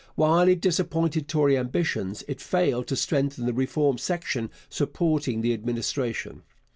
While it disappointed Tory ambitions, it failed to strengthen the Reform section supporting the Administration.